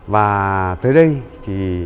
và tới đây thì